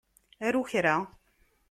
Aru kra.